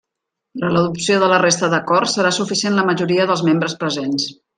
Per a l'adopció de la resta d'acords serà suficient la majoria dels membres presents.